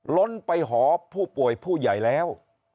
ล้นไปหอผู้ป่วยผู้ใหญ่แล้ว